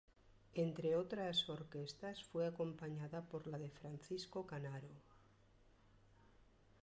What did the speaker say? Entre otras orquestas, fue acompañada por la de Francisco Canaro.